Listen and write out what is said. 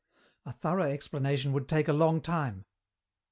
"A thorough explanation would take a long time.